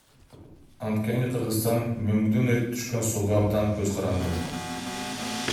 Анткени Кыргызстан мөңгүдөн эрип түшкөн сууга абдан көз каранды.